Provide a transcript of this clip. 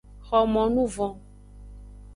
Xomonuvon.